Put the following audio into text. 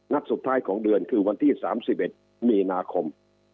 สุดท้ายของเดือนคือวันที่๓๑มีนาคม